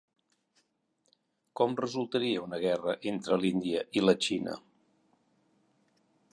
Com resultaria una guerra entre l'Índia i la Xina?